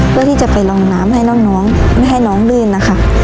เพื่อที่จะไปลองน้ำให้น้องไม่ให้น้องลื่นนะคะ